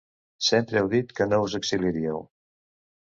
Sempre heu dit que no us exiliaríeu.